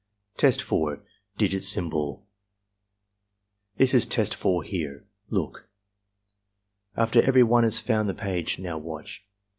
Test 4.— Digit Symbol "This is Test 4 here. Look." After every one has found the page — "Now watch."